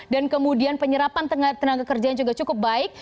dan kemudian penyerapan tenaga kerja yang juga cukup baik